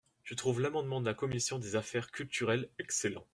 Je trouve l’amendement de la commission des affaires culturelles excellent.